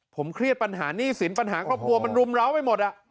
ผมเครียดปัญหาหนี้สินปัญหาครอบครัวมันรุมร้าวไปหมด